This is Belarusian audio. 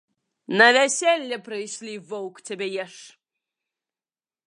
На вяселле прыйшлі, воўк цябе еш.